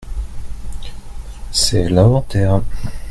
C’est l’inventaire.